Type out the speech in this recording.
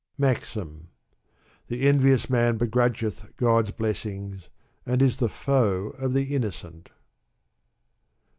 BIAXOf. The envious man begrudgeth God's blessings, and is the foe of the innocent.